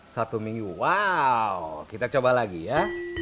satu minggu wow kita coba lagi ya